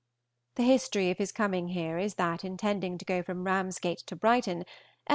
The history of his coming here is, that, intending to go from Ramsgate to Brighton, Edw.